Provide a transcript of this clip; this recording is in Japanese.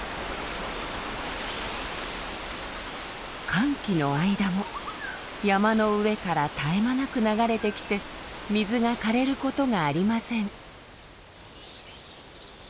乾季の間も山の上から絶え間なく流れてきて水が涸れることがありません。